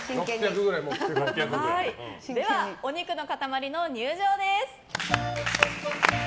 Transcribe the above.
では、お肉の塊の入場です。